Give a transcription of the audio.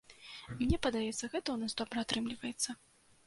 Мне падаецца, гэта ў нас добра атрымліваецца!